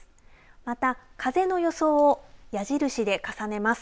また風の予想を矢印で重ねます。